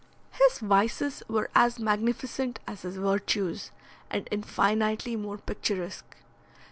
His vices were as magnificent as his virtues, and infinitely more picturesque.